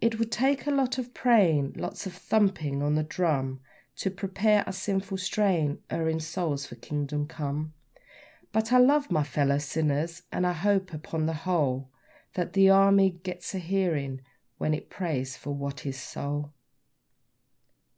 It would take a lot of praying lots of thumping on the drum To prepare our sinful, straying, erring souls for Kingdom Come; But I love my fellow sinners, and I hope, upon the whole, That the Army gets a hearing when it prays for Watty's soul.